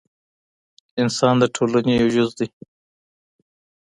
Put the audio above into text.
انسان د ټولني یو جز دی.